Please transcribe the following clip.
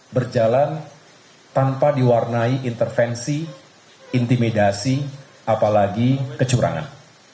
berjalan tanpa diwarnai intervensi intimidasi apalagi kecurangan